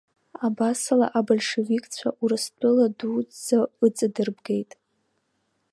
Абасала абольшевикцәа Урыстәыла дуӡӡа ыҵадырбгеит!